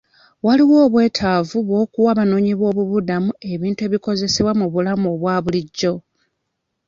Waliwo obwetaavu bw'okuwa abanoonyiboobudamu ebintu ebikozesebwa mu bulamu obwa bulijjo.